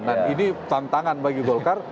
nah ini tantangan bagi golkar